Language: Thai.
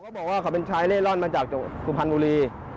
บอกว่าเขาเป็นชายเล่ร่อนมาจากสุพรรณบุรี